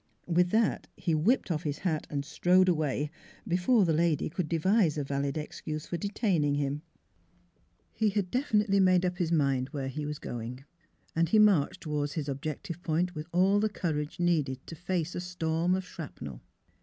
With that he whipped off his hat and strode away, before the lady could devise a valid excuse for detaining him. He had definitely made up his mind where he was going. And he marched toward his ob jective point with all the courage needed to face a storm of shrapnel.